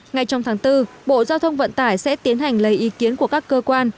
ngay trong tháng bốn bộ giao thông vận tải sẽ tiến hành lấy ý kiến của các cơ quan